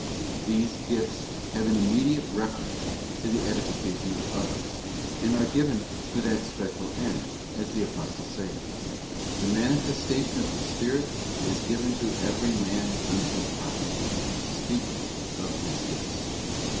These gifts have an immediate reference to the edification of others, and are given for that special end, as the Apostle saith: 'The manifestation of the Spirit is given to every man unto profit,' + speaking of these gifts.